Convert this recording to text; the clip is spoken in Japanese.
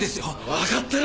わかってる！